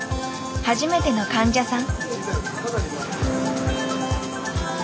初めての患者さん。